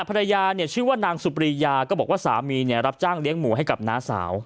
ภรรยาเนี่ยชื่อว่านางสุปรียาก็บอกว่าสามีเนี่ยรับจ้างเลี้ยงหมูให้กับน้าสาว